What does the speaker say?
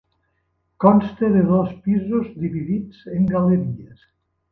Consta de dos pisos dividits en galeries.